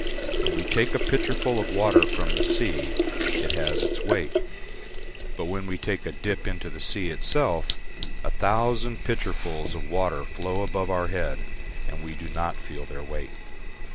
When we take a pitcherful of water from the sea it has its weight, but when we take a dip into the sea itself a thousand pitchersful of water flow above our head, and we do not feel their weight.